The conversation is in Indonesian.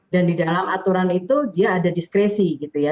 di dalam aturan itu dia ada diskresi gitu ya